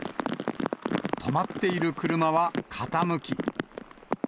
止まっている車は傾き。